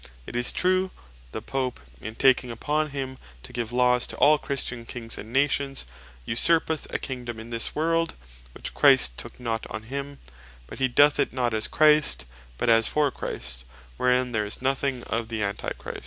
It is true, the Pope in taking upon him to give Laws to all Christian Kings, and Nations, usurpeth a Kingdome in this world, which Christ took not on him: but he doth it not As Christ, but as For Christ, wherein there is nothing of the Antichrist.